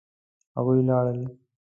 هغوی لاړل